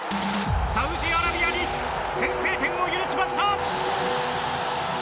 サウジアラビアに先制点を許しました！